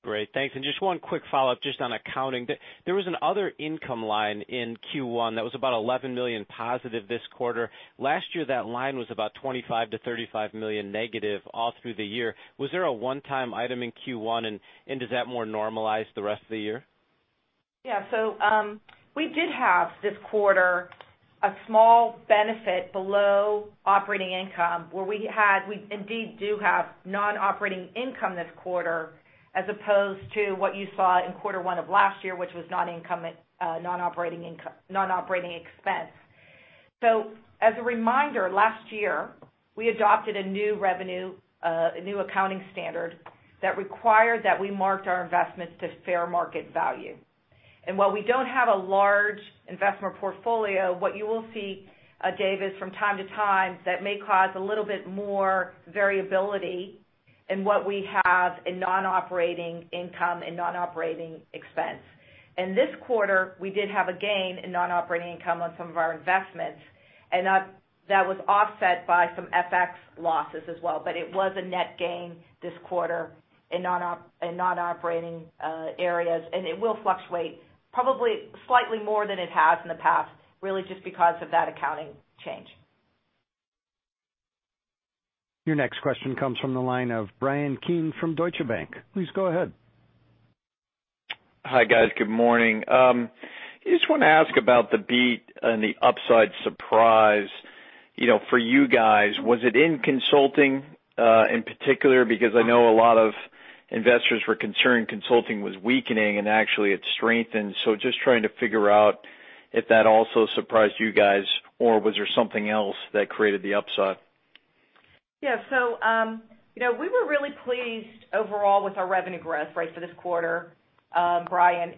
Great. Thanks. Just one quick follow-up just on accounting. There was an other income line in Q1 that was about $11 million positive this quarter. Last year, that line was about -$25 million to -$35 million negative all through the year. Was there a one-time item in Q1, and does that more normalize the rest of the year? Yeah. We did have this quarter a small benefit below operating income, where we indeed do have non-operating income this quarter, as opposed to what you saw in quarter one of last year, which was non-operating expense. As a reminder, last year, we adopted a new revenue, a new accounting standard that required that we marked our investments to fair market value. While we don't have a large investment portfolio, what you will see, David, is from time to time, that may cause a little bit more variability in what we have in non-operating income and non-operating expense. In this quarter, we did have a gain in non-operating income on some of our investments, and that was offset by some FX losses as well. It was a net gain this quarter in non-operating areas, and it will fluctuate probably slightly more than it has in the past, really just because of that accounting change. Your next question comes from the line of Bryan Keane from Deutsche Bank. Please go ahead. Hi, guys. Good morning. I just wanna ask about the beat and the upside surprise, you know, for you guys. Was it in consulting in particular? Because I know a lot of investors were concerned consulting was weakening and actually it strengthened. Just trying to figure out if that also surprised you guys, or was there something else that created the upside? We were really pleased overall with our revenue growth, right, for this quarter, Bryan.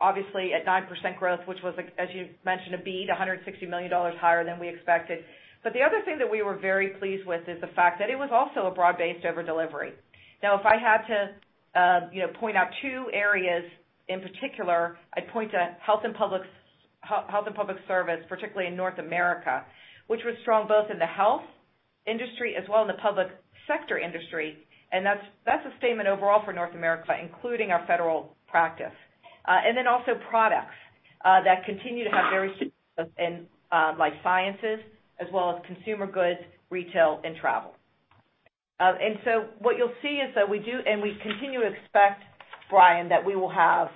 Obviously at 9% growth, which was, as you mentioned, a beat $160 million higher than we expected. The other thing that we were very pleased with is the fact that it was also a broad-based over-delivery. If I had to point out two areas in particular, I'd point to health and public service, particularly in North America, which was strong both in the health industry as well in the public sector industry. That's a statement overall for North America, including our federal practice. Also products that continue to have very strong growth in life sciences as well as consumer goods, retail and travel. What you'll see is that we do and we continue to expect, Bryan, that we will have,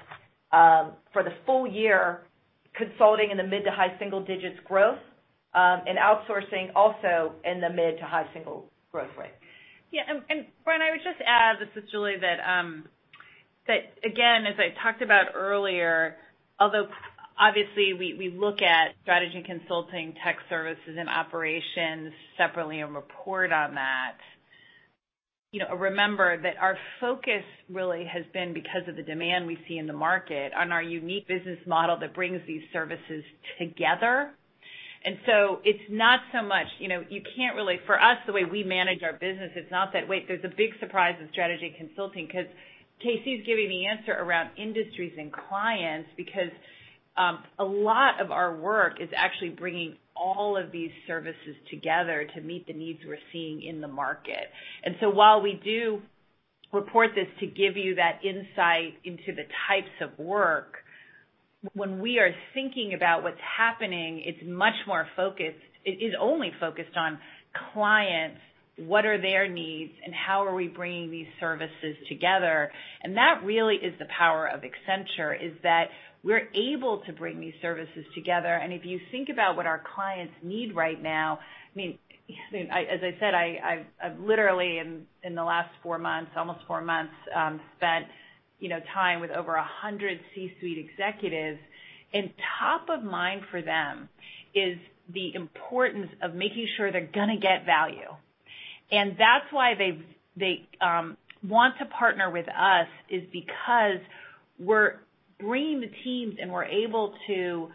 for the full year, consulting in the mid to high single digits growth, and outsourcing also in the mid to high single growth rate. Bryan, I would just add, this is Julie, that again, as I talked about earlier, although obviously we look at strategy consulting, tech services, and operations separately and report on that. You know, remember that our focus really has been because of the demand we see in the market on our unique business model that brings these services together. It's not so much, you know, for us, the way we manage our business, it's not that, wait, there's a big surprise in strategy consulting, 'cause KC's giving the answer around industries and clients, because a lot of our work is actually bringing all of these services together to meet the needs we're seeing in the market. While we do report this to give you that insight into the types of work. When we are thinking about what's happening, it's much more focused. It is only focused on clients, what are their needs, and how are we bringing these services together. That really is the power of Accenture, is that we're able to bring these services together. If you think about what our clients need right now, I mean, as I said, I've literally in the last four months, almost four months, spent, you know, time with over 100 C-suite executives, and top of mind for them is the importance of making sure they're gonna get value. That's why they want to partner with us, is because we're bringing the teams, and we're able to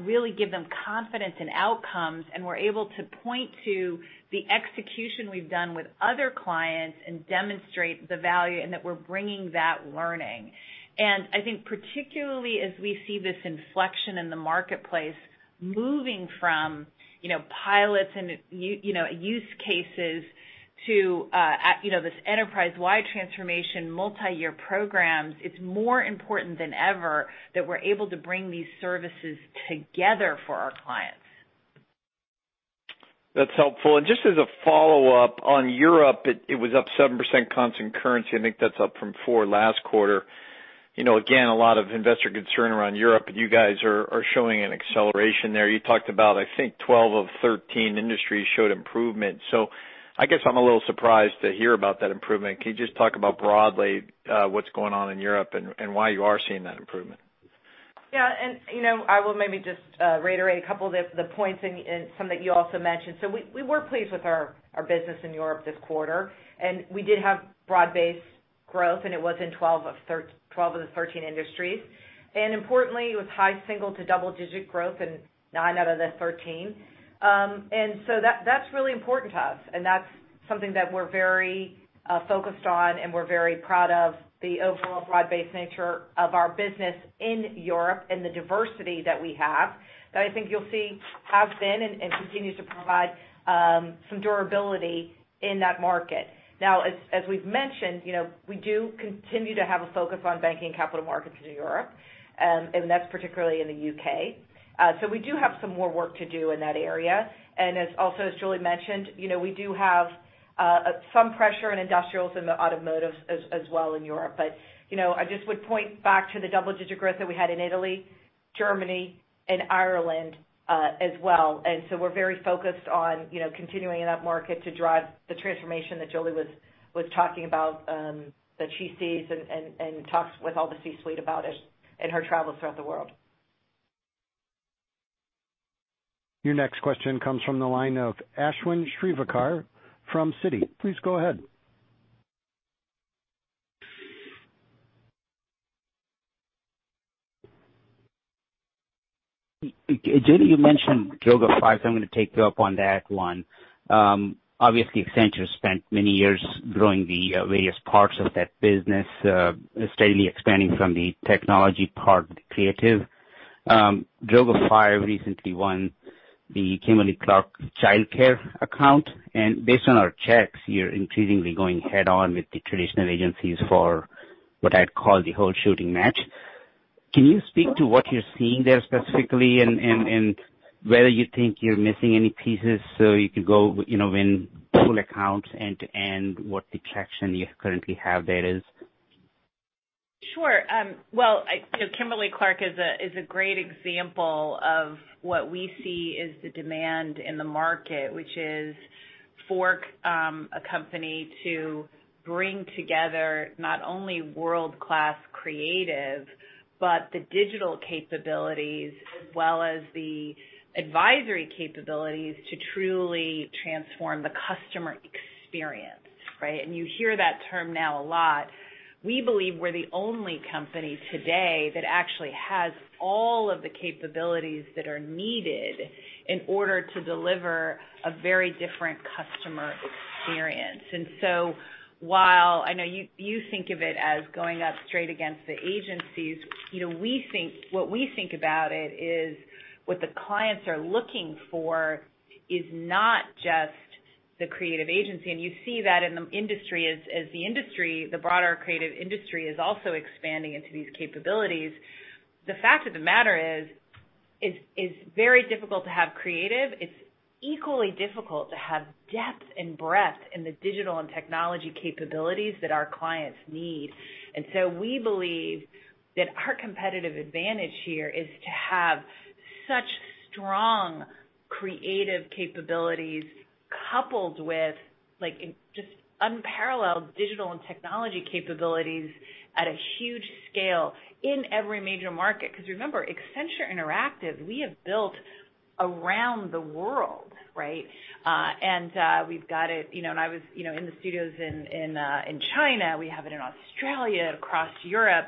really give them confidence in outcomes, and we're able to point to the execution we've done with other clients and demonstrate the value and that we're bringing that learning. I think particularly as we see this inflection in the marketplace, moving from, you know, pilots and you know, use cases to, you know, this enterprise-wide transformation, multi-year programs, it's more important than ever that we're able to bring these services together for our clients. That's helpful. Just as a follow-up, on Europe, it was up 7% constant currency. I think that's up from 4% last quarter. You know, again, a lot of investor concern around Europe, and you guys are showing an acceleration there. You talked about, I think, 12 of 13 industries showed improvement. I guess I'm a little surprised to hear about that improvement. Can you just talk about broadly, what's going on in Europe and why you are seeing that improvement? Yeah. You know, I will maybe just reiterate a couple of the points and some that you also mentioned. We were pleased with our business in Europe this quarter, and we did have broad-based growth, and it was in 12 of the 13 industries. Importantly, it was high single to double-digit growth in nine out of the 13. That's really important to us, and that's something that we're very focused on, and we're very proud of the overall broad-based nature of our business in Europe and the diversity that we have, that I think you'll see have been and continues to provide some durability in that market. As we've mentioned, you know, we do continue to have a focus on banking capital markets in Europe, and that's particularly in the U.K. We do have some more work to do in that area. As also as Julie mentioned, you know, we do have some pressure in industrials and the automotives as well in Europe. You know, I just would point back to the double-digit growth that we had in Italy, Germany, and Ireland as well. We're very focused on, you know, continuing in that market to drive the transformation that Julie was talking about, that she sees and talks with all the C-suite about it in her travels throughout the world. Your next question comes from the line of Ashwin Shirvaikar from Citi. Please go ahead. Julie, you mentioned Droga5, so I'm gonna take you up on that one. Obviously, Accenture spent many years growing the various parts of that business, steadily expanding from the technology part to creative. Droga5 recently won the Kimberly-Clark childcare account, and based on our checks, you're increasingly going head-on with the traditional agencies for what I'd call the whole shooting match. Can you speak to what you're seeing there specifically and whether you think you're missing any pieces, so you can go, you know, win full accounts end to end, what detection you currently have there is? Sure. Well, you know, Kimberly-Clark is a great example of what we see is the demand in the market, which is for a company to bring together not only world-class creative, but the digital capabilities as well as the advisory capabilities to truly transform the customer experience, right. You hear that term now a lot. We believe we're the only company today that actually has all of the capabilities that are needed in order to deliver a very different customer experience. While I know you think of it as going up straight against the agencies, you know, we think about it is what the clients are looking for is not just the creative agency. You see that in the industry as the industry, the broader creative industry is also expanding into these capabilities. The fact of the matter is it's very difficult to have creative. It's equally difficult to have depth and breadth in the digital and technology capabilities that our clients need. We believe that our competitive advantage here is to have such strong creative capabilities coupled with, like, just unparalleled digital and technology capabilities at a huge scale in every major market. Because remember, Accenture Interactive, we have built around the world, right? We've got it, you know, and I was, you know, in the studios in China. We have it in Australia, across Europe,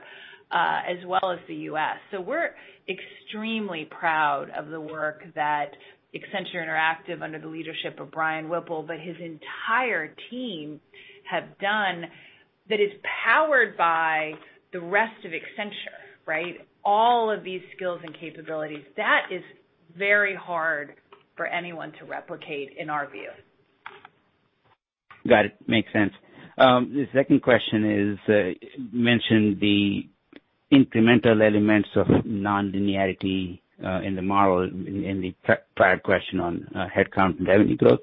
as well as the U.S. We're extremely proud of the work that Accenture Interactive under the leadership of Brian Whipple, but his entire team have done that is powered by the rest of Accenture, right? All of these skills and capabilities. That is very hard for anyone to replicate, in our view. Got it. Makes sense. The second question is, you mentioned the incremental elements of nonlinearity in the model in the pre-prior question on headcount and revenue growth.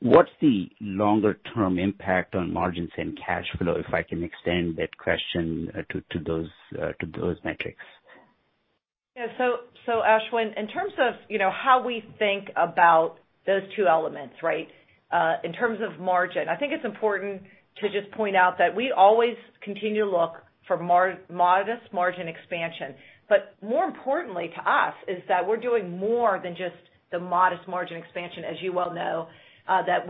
What's the longer-term impact on margins and cash flow, if I can extend that question, to those, to those metrics? Ashwin, in terms of, you know, how we think about those two elements, right? In terms of margin, I think it's important to just point out that we always continue to look for modest margin expansion. More importantly to us is that we're doing more than just the modest margin expansion, as you well know, that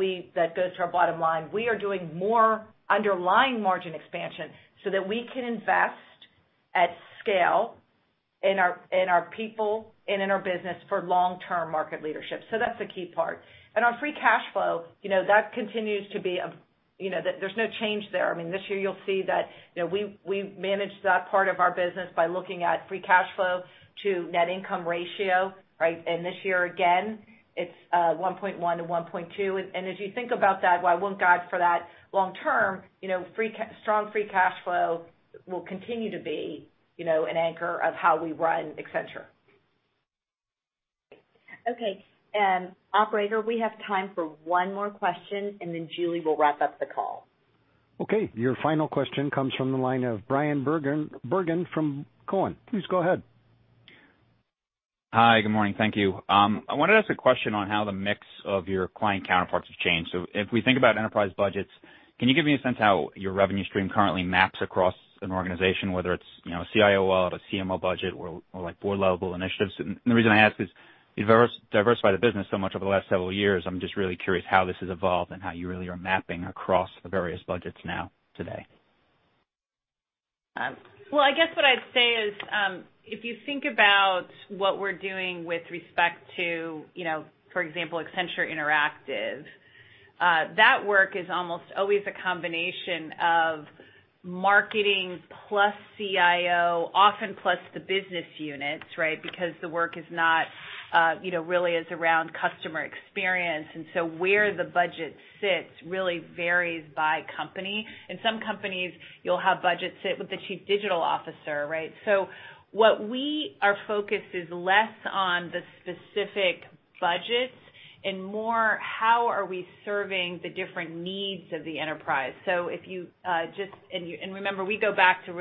goes to our bottom line. We are doing more underlying margin expansion so that we can invest at scale in our, in our people and in our business for long-term market leadership. That's the key part. Our Free Cash Flow, you know, that continues to be a, you know there's no change there. I mean, this year you'll see that, you know, we managed that part of our business by looking at Free Cash Flow to Net Income ratio, right? This year, again, it's 1.1 to 1.2. As you think about that, why I won't guide for that long term, you know, strong free cash flow will continue to be, you know, an anchor of how we run Accenture. Okay. Operator, we have time for one more question, and then Julie will wrap up the call. Okay. Your final question comes from the line of Bryan Bergin from TD Cowen. Please go ahead. Hi, good morning. Thank you. I wanted to ask a question on how the mix of your client counterparts have changed. If we think about enterprise budgets, can you give me a sense how your revenue stream currently maps across an organization, whether it's, you know, a CIO or a CMO budget or like board-level initiatives? The reason I ask is you've diversified the business so much over the last several years, I'm just really curious how this has evolved and how you really are mapping across the various budgets now today. Well, I guess what I'd say is, if you think about what we're doing with respect to, you know, for example, Accenture Interactive, that work is almost always a combination of marketing plus CIO, often plus the business units, right? Because the work is not, you know, really is around customer experience. Where the budget sits really varies by company. In some companies, you'll have budgets sit with the Chief Digital Officer, right? What we are focused is less on the specific budgets and more how are we serving the different needs of the enterprise. If you, just and remember, we go back to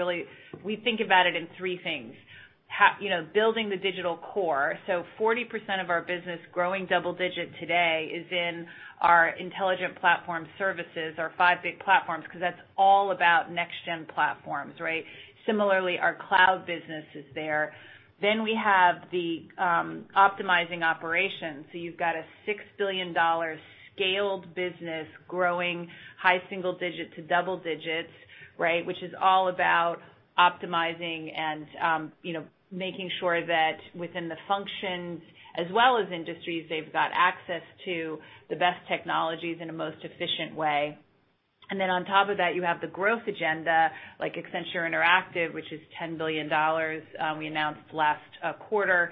we think about it in three things. You know, building the digital core. 40% of our business growing double-digit today is in our Intelligent Platform Services, our five big platforms, 'cause that's all about next-gen platforms, right? Similarly, our cloud business is there. We have the optimizing operations. You've got a $6 billion scaled business growing high single-digit to double-digits, right? Which is all about optimizing and, you know, making sure that within the functions as well as industries, they've got access to the best technologies in a most efficient way. On top of that, you have the growth agenda like Accenture Interactive, which is $10 billion, we announced last quarter,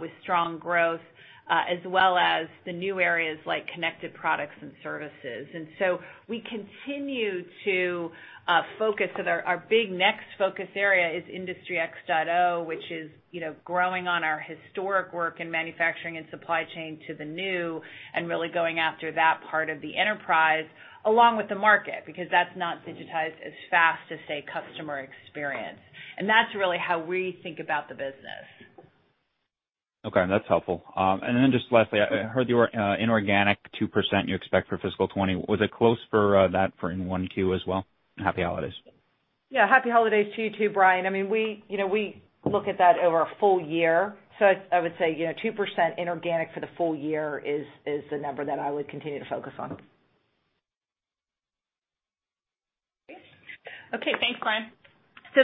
with strong growth, as well as the new areas like connected products and services. We continue to focus with our big next focus area is Industry X.0, which is, you know, growing on our historic work in manufacturing and supply chain to the new, and really going after that part of the enterprise along with the market, because that's not digitized as fast as, say, customer experience. That's really how we think about the business. Okay, that's helpful. Just lastly, I heard you were inorganic 2% you expect for fiscal 2020. Was it close for that for in 1Q as well? Happy holidays. Happy holidays to you too, Bryan. I mean, we, you know, we look at that over a full year. I would say, you know, 2% inorganic for the full year is the number that I would continue to focus on. Okay. Thanks, Bryan.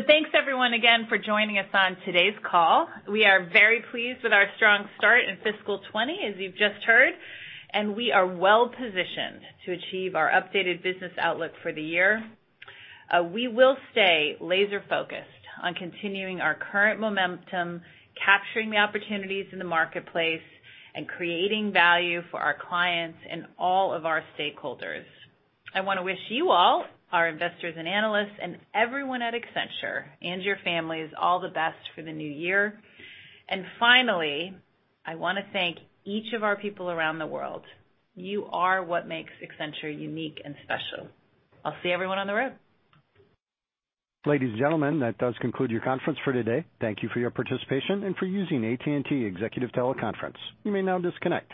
Thanks everyone again for joining us on today's call. We are very pleased with our strong start in fiscal 2020, as you've just heard, and we are well-positioned to achieve our updated business outlook for the year. We will stay laser-focused on continuing our current momentum, capturing the opportunities in the marketplace, and creating value for our clients and all of our stakeholders. I wanna wish you all, our investors and analysts, and everyone at Accenture and your families all the best for the new year. Finally, I wanna thank each of our people around the world. You are what makes Accenture unique and special. I'll see everyone on the road. Ladies and gentlemen, that does conclude your conference for today. Thank you for your participation and for using AT&T Executive TeleConference. You may now disconnect.